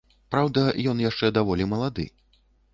Праўда, ён яшчэ даволі малады.